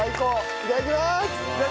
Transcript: いただきまーす。